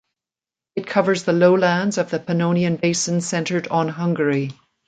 It covers the lowlands of the Pannonian Basin centered on Hungary.